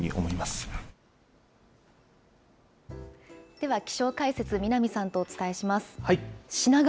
では気象解説、南さんとお伝えします。